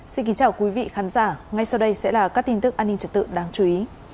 xin kính chào quý vị khán giả ngay sau đây sẽ là các tin tức an ninh trật tự đáng chú ý